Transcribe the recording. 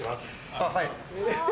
あっはい。